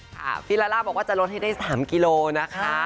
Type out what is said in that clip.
ฟิลาล่าบอกว่าจะลดให้ได้๓กิโลนะคะ